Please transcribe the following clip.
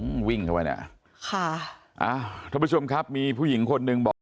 อืมวิ่งเข้าไปเนี้ยค่ะอ่าท่านผู้ชมครับมีผู้หญิงคนหนึ่งบอก